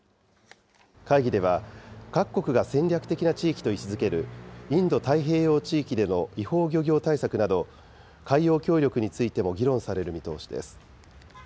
会議では、各国が戦略的な地域と位置づけるインド太平洋地域での違法漁業対策など、海洋協力についても議論される見通しです。